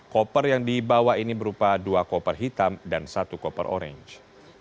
koper yang dibawa ini berupa dua koper hitam dan satu koper orange